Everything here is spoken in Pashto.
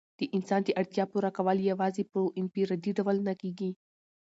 د انسان د اړتیا پوره کول یوازي په انفرادي ډول نه کيږي.